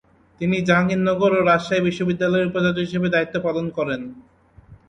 তিনি জাহাঙ্গীরনগর ও রাজশাহী বিশ্ববিদ্যালয়ের উপাচার্য হিসাবে দায়িত্ব পালন করেন।